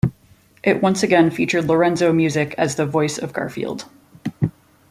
It once again featured Lorenzo Music as the voice of Garfield.